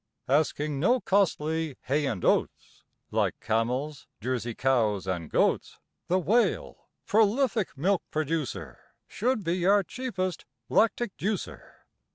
Asking no costly hay and oats, Like camels, Jersey cows, and goats, The Whale, prolific milk producer, Should be our cheapest lactic juicer.